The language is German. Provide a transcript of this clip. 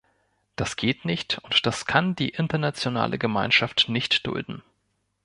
Das geht nicht, und das kann die internationale Gemeinschaft nicht dulden.